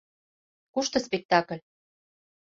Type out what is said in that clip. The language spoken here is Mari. Кушто спектакль?